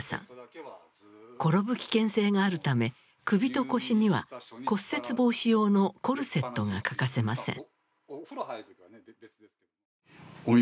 転ぶ危険性があるため首と腰には骨折防止用のコルセットが欠かせません。